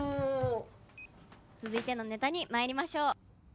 「続いてのネタにまいりましょう」。